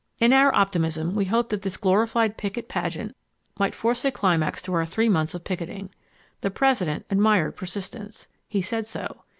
In our optimism we hoped that this glorified picket pageant might form a climax to our three months of picketing. The President admired persistence. He said so.